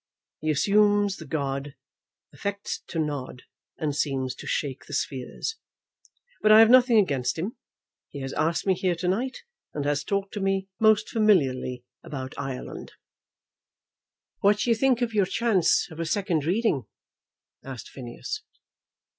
He assumes the god, affects to nod, and seems to shake the spheres. But I have nothing against him. He has asked me here to night, and has talked to me most familiarly about Ireland." "What do you think of your chance of a second reading?" asked Phineas.